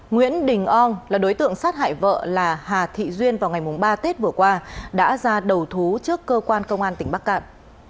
nguyễn đình on là đối tượng sát hại vợ là hà thị duyên vào ngày ba tết vừa qua đã ra đầu thú trước cơ quan công an tỉnh bắc cạn